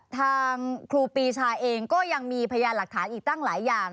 ทางครูปีชาเองก็ยังมีพยานหลักฐานอีกตั้งหลายอย่าง